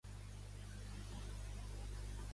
Kenneth Leech era un defensor de la teologia contextual.